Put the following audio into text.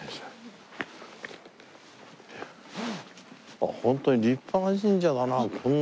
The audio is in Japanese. あっホントに立派な神社だな